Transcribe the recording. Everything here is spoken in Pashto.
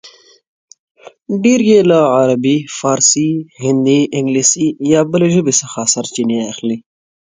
ډېر یې له عربي، فارسي، هندي، انګلیسي یا بلې ژبې څخه سرچینې اخلي